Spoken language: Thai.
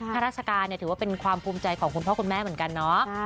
ข้าราชการถือว่าเป็นความภูมิใจของคุณพ่อคุณแม่เหมือนกันเนาะ